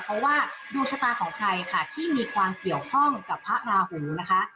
เพราะว่าดวงชะตาของใครค่ะที่มีความเกี่ยวข้องกับพระราหูนะคะ